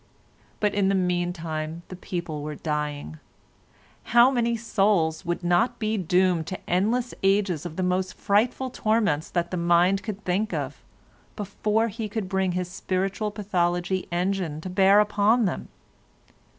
But in the meantime the people were dying. How many souls would not be doomed to endless ages of the most frightful torments that the mind could think of, before he could bring his spiritual pathology engine to bear upon them?